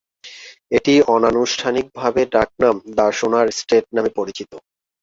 এটি অনানুষ্ঠানিকভাবে ডাকনাম "দ্য সোনার স্টেট" নামে পরিচিত।